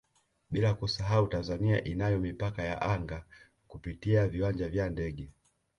Bila kusahau Tanzania inayo Mipaka ya Anga kupitia viwanja vya ndege